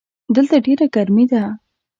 دلته ډېره ګرمي ده.